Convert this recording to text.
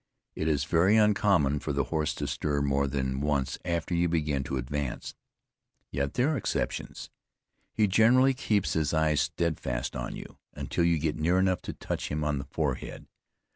It is very uncommon for the horse to stir more than once after you begin to advance, yet there are exceptions. He generally keeps his eyes steadfast on you, until you get near enough to touch him on the forehead.